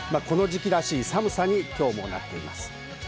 この時期らしい寒さになっています。